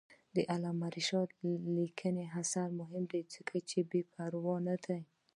د علامه رشاد لیکنی هنر مهم دی ځکه چې بېپروا نه دی.